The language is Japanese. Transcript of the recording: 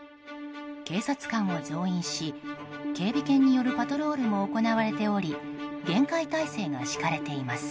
警察官を増員し、警備犬によるパトロールも行われており厳戒態勢が敷かれています。